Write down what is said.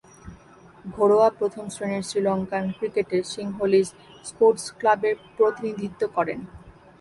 ঘরোয়া প্রথম-শ্রেণীর শ্রীলঙ্কান ক্রিকেটে সিংহলীজ স্পোর্টস ক্লাবের প্রতিনিধিত্ব করেন।